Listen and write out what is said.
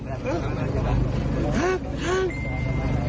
ฮั๊ะ